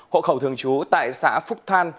hộ khẩu thường trú tại xã phúc than